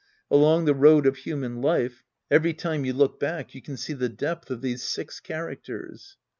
Along the road of human life, every time you look back, you can see the depth of these six characters.